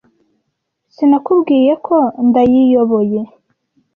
Sinakubwiye ko ndayiyoboye?